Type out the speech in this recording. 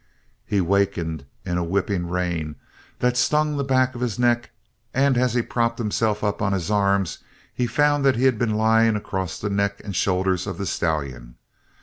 He wakened in a whipping rain that stung the back of his neck and as he propped himself on his arms he found that he had been lying across the neck and shoulders of the stallion.